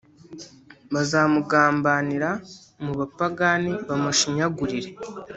Bazamugambanira mu bapagani bamushinyagurire